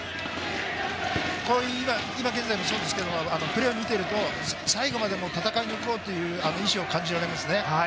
今現在もそうですけれど、プレーを見ていると最後まで戦い抜こうっていう意思が感じられますね。